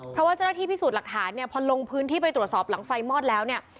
เพราะว่าเจ้าหน้าที่พิสูจน์หลักฐานเนี่ยพอลงพื้นที่ไปตรวจสอบหลังไฟมอดแล้วเนี่ย